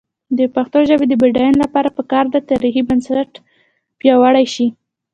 د پښتو ژبې د بډاینې لپاره پکار ده چې تاریخي بنسټ پیاوړی شي.